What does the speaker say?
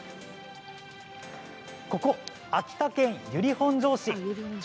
ここ秋田県由利本荘市鳥